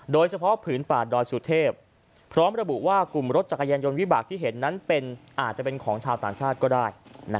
ผืนป่าดอยสุเทพพร้อมระบุว่ากลุ่มรถจักรยานยนต์วิบากที่เห็นนั้นอาจจะเป็นของชาวต่างชาติก็ได้